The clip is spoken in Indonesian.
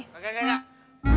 enggak enggak enggak